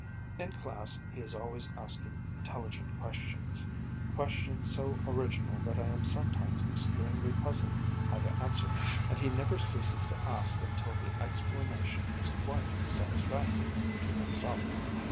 In class he is always asking intelligent questions questions so original that I am sometimes extremely puzzled how to answer them; and he never ceases to ask until the explanation is quite satisfactory to himself.